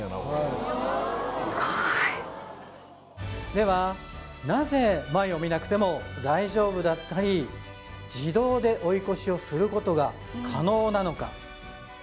これではなぜ前を見なくても大丈夫だったり自動で追い越しをすることが可能なのか